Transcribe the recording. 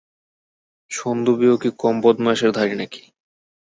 সন্দু বিও কি কম বদমায়েশের ধাড়ি নাকি?